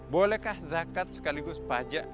bolehkah zakat sekaligus pajak